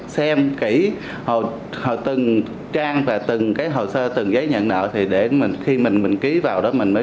xem kỹ từng trang và từng hồ sơ từng giấy nhận nợ thì để khi mình ký vào đó